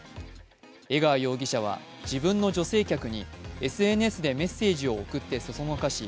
江川容疑者は自分の女性客に、ＳＮＳでメッセージを送ってそそのかし